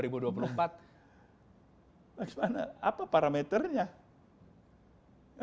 bagaimana apa parameternya